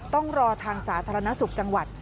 ต้องรอทางสาธารณสุขจังหวัด